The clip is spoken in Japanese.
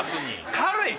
軽い！